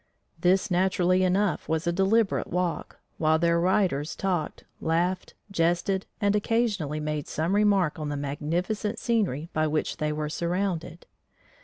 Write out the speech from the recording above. This naturally enough was a deliberate walk, while their riders talked, laughed, jested and occasionally made some remark on the magnificent scenery by which they were surrounded.